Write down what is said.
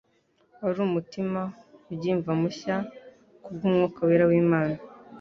ari umutima ugimva mushya kubw'Umwuka wera w'Imana.